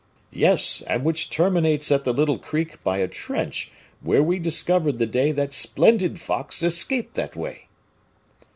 "Yes, and which terminates at the little creek by a trench where we discovered the day that splendid fox escaped that way."